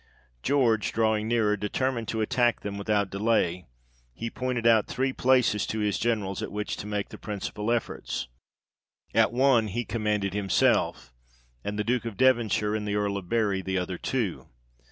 George, drawing nearer, determined to attack them without delay ; he pointed out three places to his Generals, at which to make the principal efforts. At one he commanded himself, and the Duke of Devonshire, and the Earl of Bury the other two.